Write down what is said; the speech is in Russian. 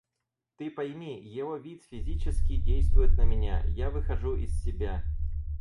Ты пойми, его вид физически действует на меня, я выхожу из себя.